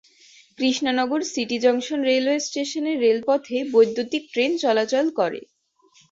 Krishnanagar city junction railway station এর রেলপথে বৈদ্যুতীক ট্রেন চলাচল করে।